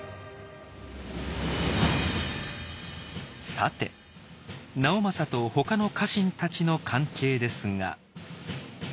さて直政とほかの家臣たちの関係ですが。